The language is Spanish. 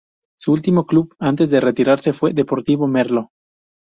Su último club antes de retirarse fue Deportivo Merlo.